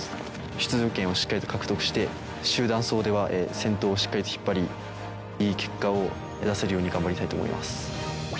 出場権をしっかり獲得して、集団走で先頭をしっかりと引っ張り、いい結果を出せるように頑張りたいと思います。